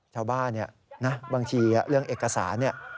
ชาวบ้านเนี่ยนะบางทีเรื่องเอกสารเนี่ย